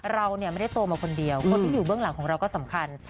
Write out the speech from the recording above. เราเนี่ยไม่ได้โตมาคนเดียวคนที่อยู่เบื้องหลังของเราก็สำคัญ